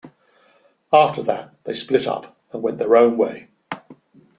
After that they split up and went their own way.